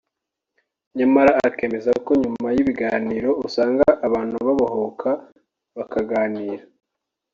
nyamara akemeza ko nyuma y’ibiganiro usanga abantu babohoka bakaganira